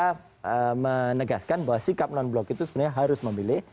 karena menegaskan bahwa sikap non blok itu sebenarnya harus memilih